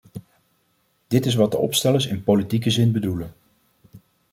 Dit is wat de opstellers in politieke zin bedoelen.